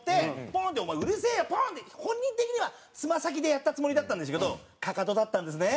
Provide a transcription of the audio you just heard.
ポンって本人的にはつま先でやったつもりだったんでしょうけどかかとだったんですね。